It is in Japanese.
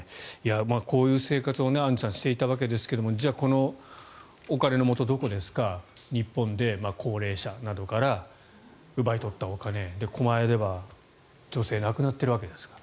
こういう生活をしていたわけですがこのお金のもとはどこですか日本で高齢者などから奪い取ったお金狛江では女性が亡くなっているわけですから。